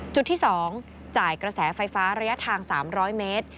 จุดที่๒จ่ายกระแสไฟฟ้าระยะทาง๓๐๐เมตร